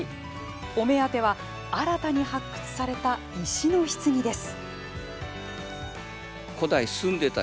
お目当ては、新たに発掘された石のひつぎです。